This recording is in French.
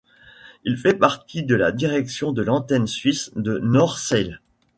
Il fait partie de la direction de l'antenne suisse de North Sails.